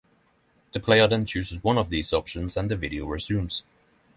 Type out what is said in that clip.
The player then chooses one of these options and the video resumes.